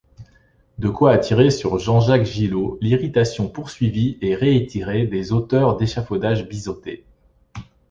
De quoi attirer sur Jean-Jacques Gillot l'irritation poursuivie et réitérée des auteurs d'échafaudages biseautés.